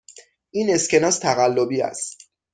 این اسکناس تقلبی است.